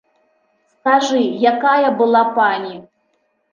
Скажы, якая была пані!